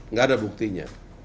nggak ada buktinya